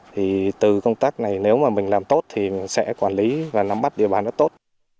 thì từ công tác này nếu mà mình làm tốt thì mình sẽ quản lý và nắm bắt địa bàn rất tốt